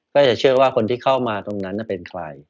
ก็จะเชื่อว่าคนที่เข้ามาตรงนั้นเป็นใคร